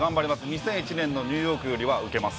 ２０２１年のニューヨークよりはウケます。